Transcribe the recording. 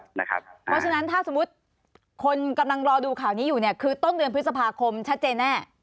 เพราะฉะนั้นถ้าสมมุติคนกำลังรอดูข่าวนี้อยู่คือต้นเดือนพฤษภาคมชัดเจนแน่